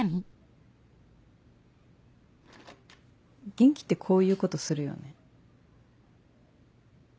元気ってこういうことするよね。